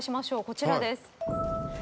こちらです。